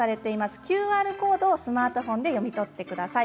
ＱＲコードをスマートフォンで読み取って下さい。